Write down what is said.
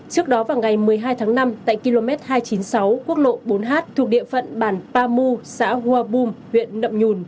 trước đó vào ngày một mươi hai tháng năm tại km hai trăm chín mươi sáu quốc lộ bốn h thuộc địa phận bản paru xã hua bum huyện nậm nhùn